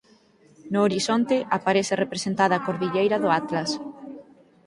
No horizonte aparece representada a cordilleira do Atlas.